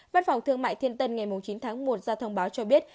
văn phòng thương mại thiên tân ngày chín tháng một ra thông báo cho biết